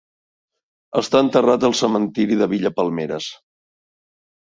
Està enterrat al cementiri de Villa Palmeras.